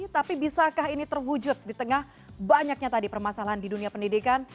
tapi bisakah ini terwujud di tengah banyaknya tadi permasalahan di dunia pendidikan